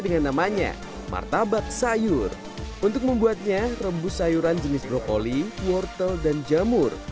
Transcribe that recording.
dengan namanya martabak sayur untuk membuatnya rebus sayuran jenis brokoli wortel dan jamur